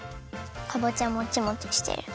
かぼちゃもちもちしてる。